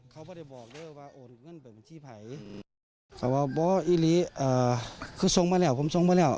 เขาบอกว่าอีฟอ่าคือส่งมาแล้วผมส่งมาแล้ว